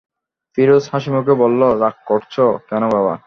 ফিরোজ হাসিমুখে বলল, রাগ করছ, কেন বাবা?